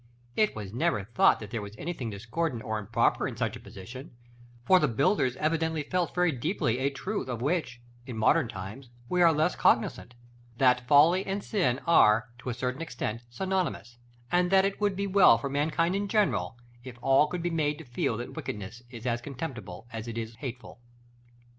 It was never thought that there was anything discordant or improper in such a position: for the builders evidently felt very deeply a truth of which, in modern times, we are less cognizant; that folly and sin are, to a certain extent, synonymous, and that it would be well for mankind in general, if all could be made to feel that wickedness is as contemptible as it is hateful.